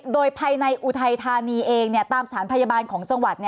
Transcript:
โดยภายในอุทัยธานีเองตามสถานพยาบาลของจังหวัด